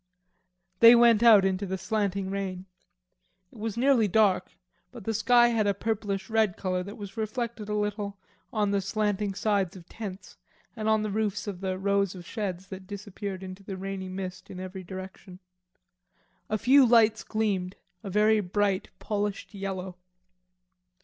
They went out into the slanting rain. It was nearly dark, but the sky had a purplish red color that was reflected a little on the slanting sides of tents and on the roofs of the rows of sheds that disappeared into the rainy mist in every direction. A few lights gleamed, a very bright polished yellow.